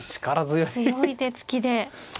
強い手つきで。